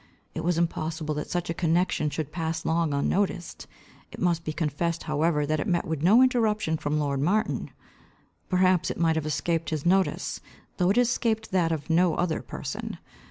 It was impossible that such a connexion should pass long unnoticed. It must be confessed however that it met with no interruption from lord Martin. Perhaps it might have escaped his notice, though it escaped that of no other person.